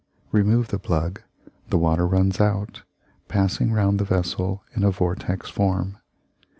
Remove the plug, the water runs out, passing round the vessel in a vortex form.